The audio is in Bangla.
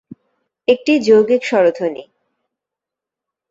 একটি যৌগিক স্বরধ্বনি।